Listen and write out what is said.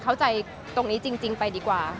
เข้าใจตรงนี้จริงไปดีกว่า